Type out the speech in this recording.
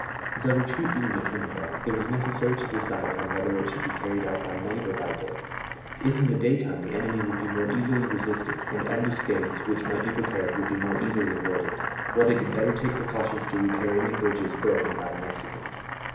The retreat being determined upon, it was necessary to decide upon whether it should be carried out by night or by day. If in the daytime the enemy would be more easily resisted, any ambuscades which might be prepared would be more easily avoided, while they could better take precautions to repair any bridges broken by the Mexicans.